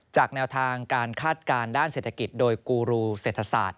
แนวทางการคาดการณ์ด้านเศรษฐกิจโดยกูรูเศรษฐศาสตร์